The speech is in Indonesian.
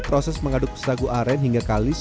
proses mengaduk sagu aren hingga kalis